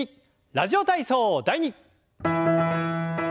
「ラジオ体操第２」。